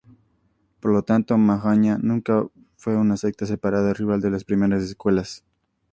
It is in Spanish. Por lo tanto Mahāyāna nunca fue una secta separada rival de las primeras escuelas.